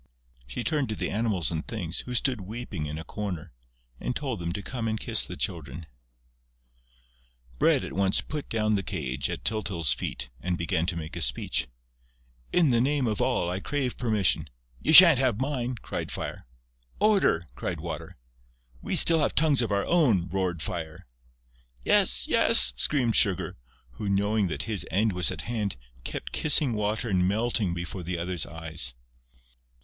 She turned to the Animals and Things, who stood weeping in a corner, and told them to come and kiss the Children. Bread at once put down the cage at Tyltyl's feet and began to make a speech: "In the name of all, I crave permission...." "You sha'n't have mine!" cried Fire. "Order!" cried Water. "We still have tongues of our own!" roared Fire. "Yes! Yes!" screamed Sugar, who, knowing that his end was at hand, kept kissing Water and melting before the others' eyes.